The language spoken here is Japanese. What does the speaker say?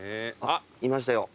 あっいましたよ。